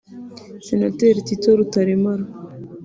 Senateri Tito Rutaremara